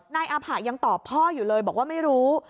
นายอาผะยังตอบพ่ออยู่เลยบอกว่าไม่รู้